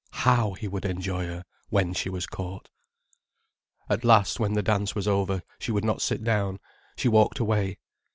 How he would enjoy her, when she was caught. At last, when the dance was over, she would not sit down, she walked away.